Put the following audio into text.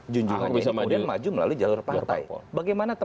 junjungannya ini kemudian maju melalui jalur partai